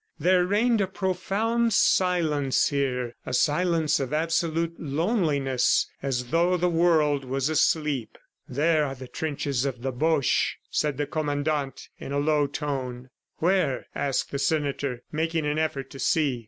There reigned a profound silence here, a silence of absolute loneliness as though the world was asleep. "There are the trenches of the Boches," said the Commandant, in a low tone. "Where?" asked the senator, making an effort to see.